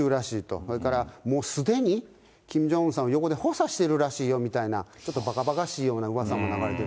それから、もうすでにキム・ジョンウンさんを横で補佐してるらしいよみたいな、ちょっとばかばかしいようなうわさも流れてる。